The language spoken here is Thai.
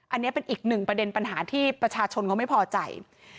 อันนี้เป็นอีกหนึ่งประเด็นปัญหาที่ประชาชนเขาไม่พอใจ